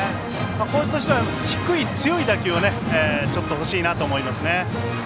高知としては低い強い打球がちょっとほしいなと思いますね。